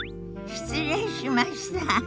失礼しました。